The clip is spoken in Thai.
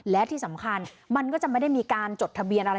และที่สำคัญมันก็จะไม่ได้มีการจดทะเบียนอะไร